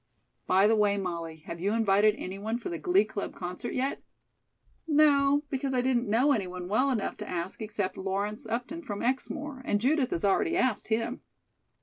"By the way, Molly, have you invited anyone for the Glee Club concert yet?" "No, because I didn't know anyone well enough to ask except Lawrence Upton from Exmoor, and Judith has already asked him."